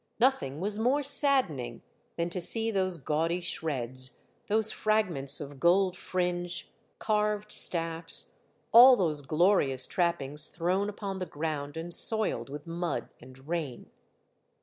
Nothing was more saddening than to see those gaudy shreds, those fragments of gold fringe, carved staffs, all those glorious trap pings thrown upon the ground and soiled with mud and rain.